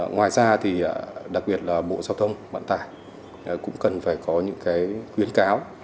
ngoài ra đặc biệt là bộ giao thông bản tải cũng cần phải có những khuyến cáo